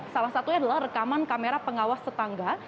salah satunya adalah rekaman kamera pengawas tetangga